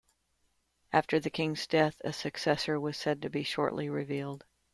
After the king's death, a successor was said to be shortly revealed.